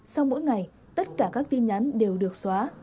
sau mỗi ngày tất cả các tin nhắn đều được xóa